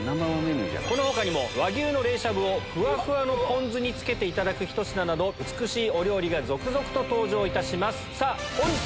この他にも和牛の冷しゃぶをふわふわのポン酢につけていただくひと品など美しいお料理が続々と登場いたします。